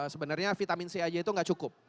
sebenarnya vitamin c aja itu nggak cukup